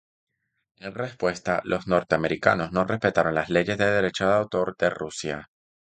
En respuesta, los norteamericanos no respetaron las leyes de derechos de autor de Rusia.